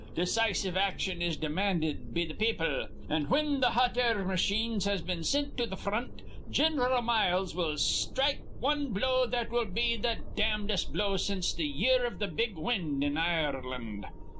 Decisive action is demanded be th' people. An', whin th' hot air masheens has been sint to th' front, Gin'ral Miles will strike wan blow that'll be th' damdest blow since th' year iv th' big wind in Ireland.